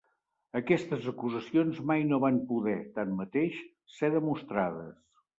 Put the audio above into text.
Aquestes acusacions mai no van poder, tanmateix, ser demostrades.